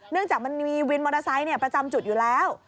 จากมันมีวินมอเตอร์ไซค์ประจำจุดอยู่แล้ว